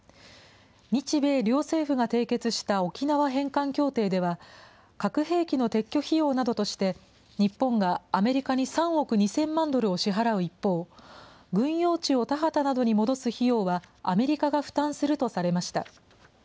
日米両政府が締結した沖縄返還協定では、核兵器の撤去費用などとして、日本がアメリカに３億２０００万ドルを支払う一方、軍用地を田畑などに戻す費用は、アメリカが負担するとされました。